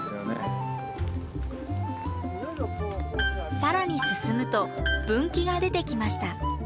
更に進むと分岐が出てきました。